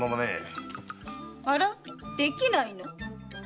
あらできないの？